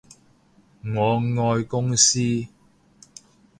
我愛公司